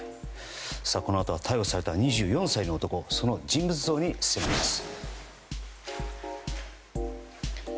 このあとは逮捕された２４歳の男その人物像に迫ります。